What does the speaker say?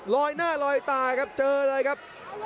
ลอยหน้าลอยตาครับเจอเลยครับ